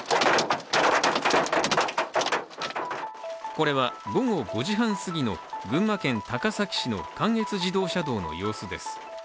これは午後５時半過ぎの群馬県高崎市の関越自動車道の様子です。